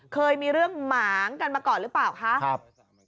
เคยมีเรื่องหมางกันมาก่อนหรือเปล่าคะครับ